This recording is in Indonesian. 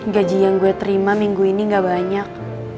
gaji yang gue terima minggu ini gak banyak